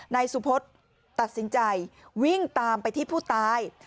นายสุพศตัดสินใจวิ่งตามไปที่ผู้ตาย